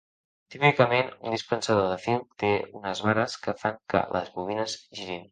Típicament, un dispensador de fil té unes vares que fan que les bobines girin.